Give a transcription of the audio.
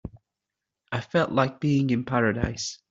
I felt like being in paradise.